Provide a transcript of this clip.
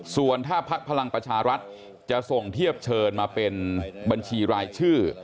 ส่วนถ้าพักพลังประชารัฐจะส่งเทียบเชิญมาเป็นบัญชีรายชื่อ